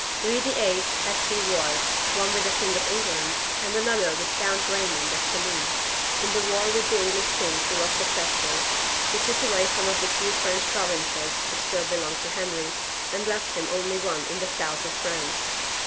Louis VIII. had two wars, one with the Bang of Eng land, and another with Count Baymond of Toulouse. In the war with the English king he was successful. He took away some of the few French provinces which still belonged to Henry, and left him only one in the south of France.